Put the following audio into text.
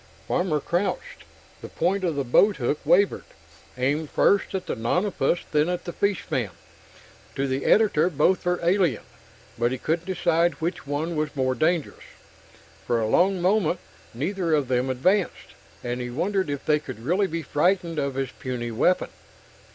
Farmer crouched. The point of the boathook wavered, aimed first at the nonapus, then at the fishman. To the editor, both were alien but he couldn't decide which one was more dangerous. For a long moment, neither of them advanced, and he wondered if they could really be frightened of his puny weapon.